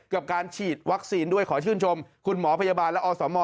กับการฉีดวัคซีนด้วยขอชื่นชมคุณหมอพยาบาลและอสม